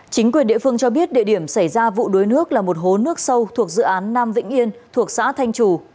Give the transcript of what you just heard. chính quyền địa phương cho biết địa điểm xảy ra vụ đuối nước là một hố nước sâu thuộc dự án nam vĩnh yên thuộc xã thanh trù